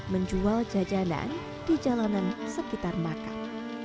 menjual jajanan di jalanan sekitar makam